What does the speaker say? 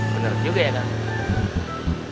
bener juga ya kak